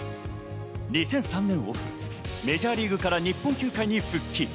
２００３年オフ、メジャーリーグから日本球界に復帰。